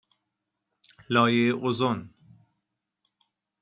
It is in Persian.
لایه اوزون